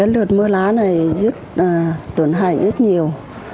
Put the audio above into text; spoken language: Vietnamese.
lượt mưa lá này rất tổn hại rất nhiều